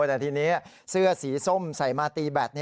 แต่ทีนี้เสื้อสีส้มใส่มาตีแบต